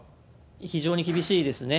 非常に厳しいですね。